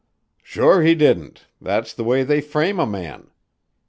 "Sure he didn't. That's the way they frame a man.